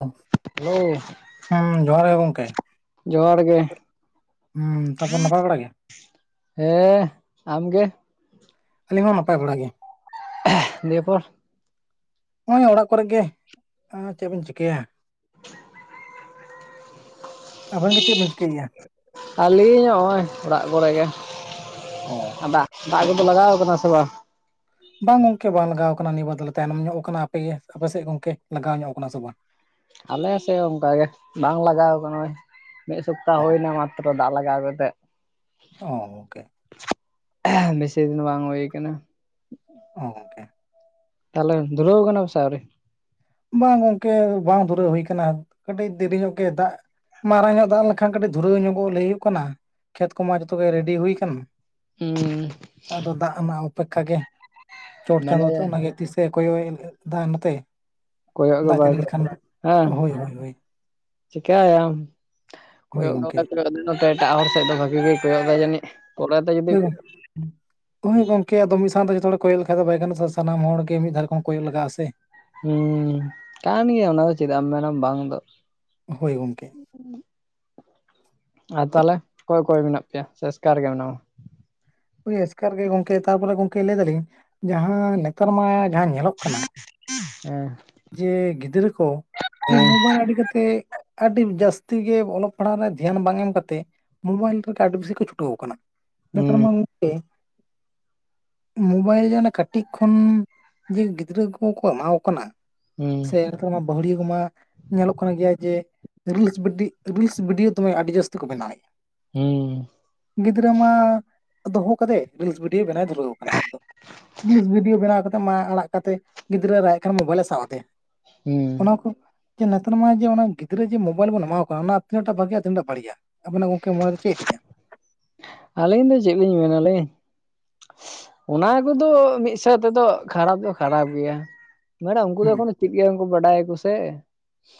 [unintelligible] Hello ᱦᱩᱸ ᱡᱚᱦᱟᱨ ᱜᱮ ᱜᱚᱝᱠᱮ᱾ ᱡᱚᱦᱟᱨ ᱜᱮ᱾ ᱦᱩᱸ ᱛᱟᱯᱚᱨ ᱱᱟᱯᱟᱭ ᱵᱟᱲᱟ ᱜᱮ᱾ ᱦᱮᱸ ᱟᱢ ᱜᱮ᱾ ᱟᱹᱞᱤᱧ ᱦᱚᱸ ᱱᱟᱯᱟᱭ ᱵᱟᱲᱟ ᱜᱮ᱾ [unintelligible] ᱱᱤᱭᱟᱹ ᱯᱚᱨ᱾ ᱱᱚᱜ-ᱚᱭ ᱚᱲᱟᱜ ᱠᱚᱨᱮ ᱜᱮ ᱟᱨ ᱪᱮᱫ ᱵᱮᱱ ᱪᱤᱠᱟᱹᱭᱟ᱾ ᱟᱵᱮᱱ ᱜᱮ ᱪᱮᱜ ᱵᱮᱱ ᱪᱤᱠᱟᱹᱭ ᱜᱮᱭᱟ? ᱟᱹᱞᱤᱧ ᱦᱚᱸᱜ-ᱚᱭ ᱚᱲᱟᱜ ᱠᱚᱨᱮ ᱜᱮ ᱚ ᱟᱵᱟᱜ ᱫᱟᱜ ᱠᱚᱫᱚ ᱞᱟᱜᱟᱣ ᱟᱠᱟᱱᱟ ᱥᱮ ᱵᱟᱝ? ᱵᱟᱝ ᱜᱚᱝᱠᱮ ᱵᱟᱝ ᱞᱟᱜᱟᱣ ᱟᱠᱟᱱᱟ ᱱᱤᱭᱟᱹᱵᱟᱨ ᱫᱚᱞᱮ ᱛᱟᱭᱱᱚᱢ ᱧᱚᱜ ᱟᱠᱟᱱᱟ᱾ ᱟᱯᱮᱜᱮ ᱟᱯᱮᱥᱮᱫ ᱜᱚᱝᱠᱮ ᱞᱟᱜᱟᱣ ᱧᱚᱜ ᱟᱠᱟᱱᱟ ᱥᱮ ᱵᱟᱝ? ᱟᱞᱮ ᱥᱮᱜ ᱦᱚ ᱚᱱᱠᱟᱜᱮ ᱵᱟᱝ ᱞᱟᱜᱟᱣ ᱟᱠᱟᱱᱟ ᱚᱭ ᱢᱤᱫ ᱥᱚᱯᱛᱟ ᱦᱳᱭᱱᱟ ᱢᱟ ᱛᱚᱨᱚ ᱫᱟᱜ ᱞᱟᱜᱟᱣ ᱠᱟᱛᱮᱜ᱾ ᱚ ᱜᱚᱝᱠᱮ᱾ ᱵᱮᱥᱤᱫᱤᱱ ᱫᱚ ᱵᱟᱝ ᱦᱩᱭ ᱠᱟᱱᱟ᱾ ᱚ ᱜᱚᱝᱠᱮ ᱛᱟᱞᱮ ᱫᱷᱩᱨᱟᱹᱣ ᱟᱠᱱᱟ ᱯᱮᱥᱮ ᱟᱹᱣᱨᱤ? ᱵᱟᱝ ᱜᱚᱝᱠᱮ ᱵᱟᱝ ᱫᱷᱩᱨᱟᱹᱣ ᱦᱩᱭ ᱠᱟᱱᱟ ᱠᱟᱹᱴᱤᱡ ᱫᱮᱨᱤ ᱧᱚᱜ ᱜᱮᱭ ᱫᱟᱜ ᱢᱟᱨᱟᱝ ᱧᱚᱜ ᱫᱟᱜ ᱞᱮᱠᱷᱟᱱ ᱠᱟᱹᱴᱤᱡ ᱫᱷᱩᱨᱟᱹᱣ ᱧᱚᱜᱚᱜ ᱞᱟᱹᱭ ᱦᱩᱭᱩᱜ ᱠᱟᱱᱟ ᱠᱷᱮᱛ ᱠᱚᱢᱟ ᱡᱚᱛᱚᱜ ᱜᱮ ᱨᱮᱰᱤ ᱦᱩᱭ ᱠᱟᱱᱟ᱾ ᱦᱩᱸ ᱟᱫᱚ ᱫᱟᱜ ᱨᱮᱱᱟᱜ ᱚᱯᱮᱠᱠᱷᱟ ᱜᱮ ᱪᱚᱴ ᱢᱟᱱᱮ ᱪᱟᱸᱫᱳ ᱛᱚ ᱚᱱᱟᱜᱮ ᱛᱤᱥ ᱥᱮ ᱠᱚᱭᱚᱜ ᱮ ᱫᱟ ᱱᱚᱛᱮ᱾ ᱠᱚᱭᱚᱜ ᱜᱮ ᱫᱟᱜ ᱵᱟᱭ ᱡᱟᱹᱲᱤ ᱞᱮᱠᱷᱟᱱ ᱠᱚᱭᱚᱜᱼᱫᱟ ᱮᱸ ᱦᱳᱭ ᱦᱳᱭ ᱦᱳᱭ ᱪᱮᱠᱟᱭᱟᱢ ᱚᱠᱟ ᱦᱳᱭ ᱞᱮᱠᱟ ᱜᱚᱝᱠᱮ ᱫᱩᱞᱟᱹᱲ ᱟᱫᱤ ᱱᱚᱛᱮ ᱮᱴᱟᱜ ᱦᱚᱲ ᱥᱮᱜ ᱫᱚ ᱵᱷᱟᱜᱮ ᱜᱮᱭ ᱠᱚᱭᱚᱜ ᱫᱟᱭ ᱡᱟᱹᱱᱤᱜ ᱯᱚᱨᱮ ᱛᱮ ᱡᱩᱫᱤ ᱦᱳᱭ ᱜᱚᱝ ᱦᱳᱭ ᱜᱚᱝᱠᱮ ᱟᱫᱚ ᱢᱤᱫ ᱥᱟᱶᱛᱮ ᱡᱚᱛᱚ ᱦᱚᱲᱮ ᱠᱚᱭᱚᱜ ᱞᱮᱠᱷᱟᱡ ᱫᱚ ᱵᱟᱭ ᱜᱟᱱᱚᱜᱟ ᱥᱮ ᱥᱟᱱᱟᱢ ᱦᱚᱲ ᱜᱮ ᱢᱤᱫ ᱫᱷᱟ ᱨᱚᱠᱚᱢ ᱠᱚᱭᱚᱜ ᱞᱟᱜᱼᱟ ᱥᱮ ᱦᱩᱸ ᱠᱟᱱ ᱜᱮᱭᱟ ᱚᱱᱟ ᱫᱚ ᱪᱮᱫᱟᱜ ᱮᱢ ᱢᱮᱱᱟ ᱵᱟᱝ ᱫᱚ᱾ ᱦᱳᱭ ᱜᱚᱝᱠᱮ ᱟᱨ ᱛᱟᱞᱮ ᱚᱠᱚᱭ ᱚᱠᱚᱭ ᱢᱮᱱᱟᱜ ᱯᱮᱭᱟ ᱥᱮ ᱮᱥᱠᱟᱨ ᱜᱮ ᱢᱮᱱᱟᱢᱟ? ᱳᱭ ᱮᱥᱠᱟᱨ ᱜᱮ ᱜᱚᱝᱠᱮ ᱛᱟᱨᱯᱚᱨᱮ ᱜᱚᱝᱠᱮ ᱞᱟᱹᱭ ᱫᱟᱞᱤᱧ ᱡᱟᱦᱟᱸ ᱱᱮᱛᱟᱨ ᱢᱟ ᱡᱟᱦᱟᱸ ᱧᱮᱞᱚᱜ ᱠᱟᱱᱟ ᱮ ᱡᱮ ᱜᱤᱫᱽᱨᱟᱹ ᱠᱚ ᱡᱮ ᱢᱳᱸᱵᱟᱭᱤᱞ ᱟᱹᱰᱤ ᱠᱟᱛᱮᱜ ᱟᱹᱰᱤᱢ ᱡᱟᱹᱥᱛᱤ ᱜᱮ ᱚᱞᱚᱜ ᱯᱟᱲᱦᱟᱣ ᱨᱮ ᱫᱷᱮᱭᱟᱱ ᱵᱟᱝ ᱮᱢ ᱠᱟᱛᱮᱜ ᱢᱳᱸᱵᱟᱭᱤᱞ ᱨᱮᱜᱮ ᱟᱰᱤ ᱵᱤᱥᱤ ᱠᱚ ᱪᱷᱩᱴᱟᱹᱣ ᱠᱟᱱᱟ᱾ ᱱᱮᱛᱟᱨ ᱦᱩᱸ ᱢᱟ ᱜᱚᱝᱠᱮ ᱢᱳᱸᱵᱟᱭᱤᱞ ᱡᱮ ᱚᱱᱮ ᱠᱟᱹᱴᱤᱡ ᱠᱷᱚᱱ ᱡᱮ ᱜᱤᱫᱽᱨᱟᱹ ᱠᱚᱠᱚ ᱮᱢᱟᱠᱚ ᱠᱟᱱᱟ ᱦᱮ [unintelligible] ᱢᱟ ᱵᱟᱹᱦᱩᱲᱤᱭᱟᱹ ᱠᱚᱢᱟ ᱧᱮᱞᱚᱜ ᱠᱟᱱ ᱜᱮᱭᱟ ᱡᱮ ᱨᱤᱞᱥ ᱵᱤᱰᱤ ᱨᱤᱥ ᱵᱤᱰᱤᱭᱳ ᱫᱚᱢᱮ ᱟᱹᱰᱤᱡᱟᱥᱛᱤ ᱠᱩ ᱵᱮᱱᱟᱣᱮᱜ ᱦᱩᱸ ᱜᱤᱫᱽᱨᱟᱹ ᱢᱟ ᱫᱚᱦᱚ ᱠᱟᱫᱮᱭ ᱨᱤᱞᱥ ᱵᱷᱤᱰᱭᱳ ᱵᱮᱱᱟᱣ ᱮ ᱫᱷᱩ ᱫᱷᱩᱨᱟ. ᱣ ᱟᱠᱟᱱᱟ ᱟᱡᱫᱚ᱾ ᱨᱤᱥ ᱵᱷᱤᱰᱤᱭᱳ ᱵᱮᱱᱟᱣ ᱠᱟᱛᱮᱜ ᱢᱟ ᱟᱲᱟᱜ ᱠᱟᱛᱮ ᱜᱤᱫᱽᱨᱟᱹ ᱨᱟᱜ ᱮᱜ ᱠᱷᱟᱱ ᱢᱳᱵᱟᱭᱤᱞ ᱮ ᱥᱟ ᱥᱟᱟᱫᱮ ᱦᱩᱸ ᱚᱱᱟ ᱠᱩ ᱡᱮ ᱱᱮᱛᱟᱨ ᱢᱟ ᱡᱮ ᱚᱱᱟ ᱜᱤᱫᱽᱨᱟᱹ ᱡᱮ ᱢᱳᱵᱟᱭᱤᱞ ᱵᱚᱱ ᱮᱢᱟᱣᱟᱠᱚ ᱠᱟᱱᱟ ᱚᱱᱟ ᱛᱤᱱᱟᱜᱴᱟᱜ ᱵᱷᱟᱜᱤᱭᱟ ᱛᱤᱱᱟᱹᱴᱟᱜ ᱵᱟᱲᱤᱜᱼᱟ? ᱟᱵᱮᱱᱟᱜ ᱜᱚᱝᱠᱮ ᱢᱚᱸᱱᱮ ᱫᱚ ᱪᱮᱜ ᱞᱮᱭᱟ? ᱟᱞᱤᱧ ᱫᱚ ᱪᱤᱜ ᱞᱤᱧ ᱢᱮᱱᱟᱞᱤᱧ᱾ ᱚᱱᱟ ᱠᱚᱫᱚ ᱢᱤᱫ ᱥᱟᱸᱣᱛᱮᱫᱚ ᱠᱷᱟᱨᱟᱯ ᱫᱚ ᱠᱷᱟᱨᱟᱯ ᱜᱮᱭᱟ᱾ ᱢᱮ ᱩᱱᱠᱩ ᱫᱚ ᱦᱩᱸ ᱮᱠᱷᱚᱱᱳ ᱪᱮᱫ ᱜᱮ ᱵᱟᱝᱠᱩ ᱵᱟᱰᱟᱭᱟᱠᱚ ᱥᱮ